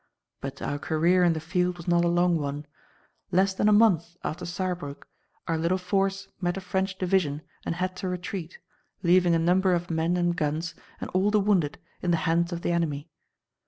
But our career in the field was not a long one. Less than a month after Saarbrück, our little force met a French division and had to retreat, leaving a number of men and guns and all the wounded in the hands of the enemy.